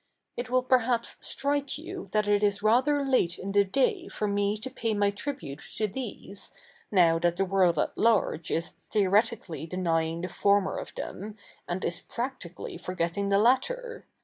It will perhaps strike you that it is 7 ather late in the day for me to pay 7ny tribute to these, 7iow that the ivorld at large is theo7 etically de7iying the for77ier of the77i, and is practically fo7getting the latter.